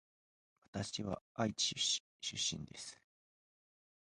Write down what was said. わたしは愛知県出身です